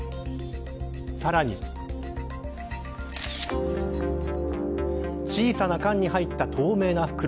さらに小さな缶に入った透明な袋。